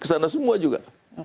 kesana semua juga